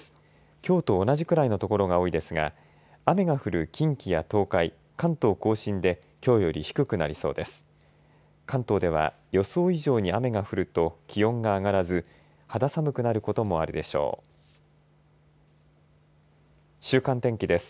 きょうと同じくらいの所が多いですが雨が降る近畿や東海関東甲信できょうより低くなりそうです。